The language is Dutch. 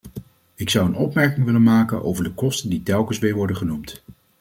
Ik zou een opmerking willen maken over de kosten die telkens weer worden genoemd.